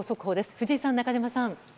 藤井さん、中島さん。